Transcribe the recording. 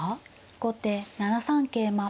後手７三桂馬。